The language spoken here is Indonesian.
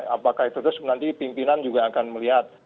apakah itu terus nanti pimpinan juga akan melihat